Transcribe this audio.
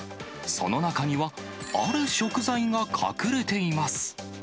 その中には、ある食材が隠れています。